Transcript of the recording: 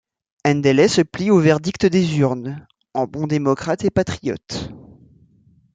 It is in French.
Endeley se plie au verdict des urnes, en bon démocrate et patriote.